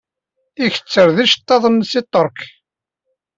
Iketter-d iceḍḍiḍen seg Ṭṭerk.